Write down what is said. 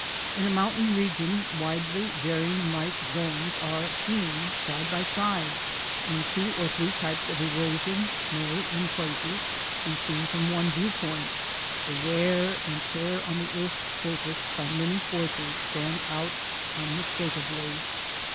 In a mountain region widely varying life zones are seen side by side; and two or three types of ero sion may, in places, be seen from one viewpoint — the wear and tear on the earth's surface by many forces stands out unmistakably.